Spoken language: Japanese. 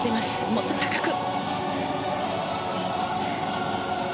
もっと高く！